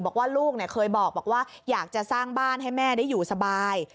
บอกว่าลูกเคยบอกว่าอยากจะสร้างบ้านให้แม่ได้อยู่สบาย